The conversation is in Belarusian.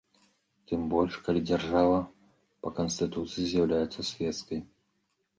Тым больш, калі дзяржава па канстытуцыі з'яўляецца свецкай.